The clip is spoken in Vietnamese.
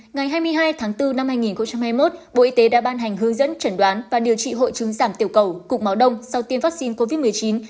ngày hai mươi hai tháng bốn năm hai nghìn hai mươi một bộ y tế đã ban hành hướng dẫn chẩn đoán và điều trị hội chứng giảm tiểu cầu cục máu đông sau tiêm vaccine covid một mươi chín